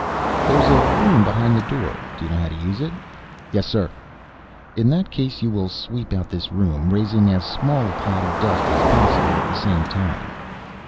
"There is a broom behind the door. Do you know how to use it?" "Yes, sir." "In that case you will sweep out this room, raising as small a cloud of dust as possible at the same time."